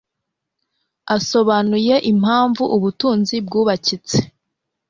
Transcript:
asobanuye impamvu ubutunzi bwubakitse